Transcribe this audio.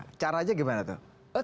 nah cara aja gimana tuh